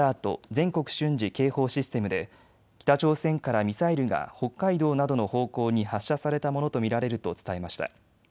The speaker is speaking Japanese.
・全国瞬時警報システムで北朝鮮からミサイルが北海道などの方向に発射されたものと見られると伝えました。